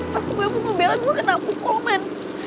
pas gue mau membela gue kena pukul man